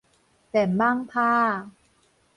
電蠓拍仔